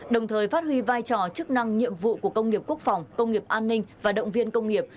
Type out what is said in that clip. đồng thời phát huy vai trò chức năng nhiệm vụ của công nghiệp quốc phòng công nghiệp an ninh và động viên công nghiệp